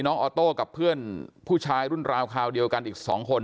ออโต้กับเพื่อนผู้ชายรุ่นราวคราวเดียวกันอีก๒คน